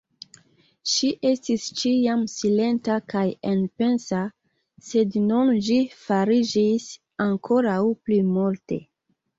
Ŝi estis ĉiam silenta kaj enpensa, sed nun ĝi fariĝis ankoraŭ pli multe.